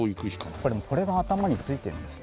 これが頭に付いてるんです。